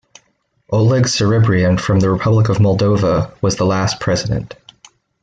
Oleg Serebrian from the Republic of Moldova was the last President.